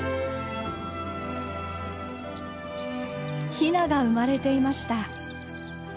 ヒナが生まれていました。